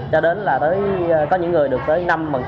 cho đến là có những người được tới năm